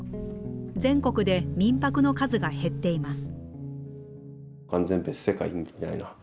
全国で民泊の数が減っています。